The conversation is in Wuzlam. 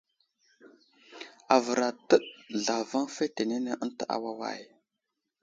Avər atəɗ zlavaŋ fetenene ənta awaway.